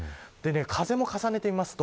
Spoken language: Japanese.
風も重ねてみると